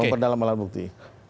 memperdalam alat bukti